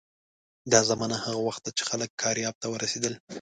دا زمانه هغه وخت ده چې خلک کارایب ته ورسېدل.